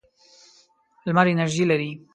لمر انرژي لري.